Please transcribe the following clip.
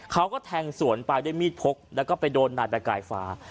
เขาก็แทงสวนไปด้วยมีดพกแล้วก็ไปโดนนายประกายฟ้า